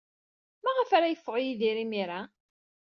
Maɣef ara yeffeɣ Yidir imir-a?